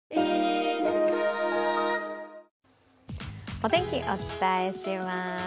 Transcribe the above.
お天気、お伝えします。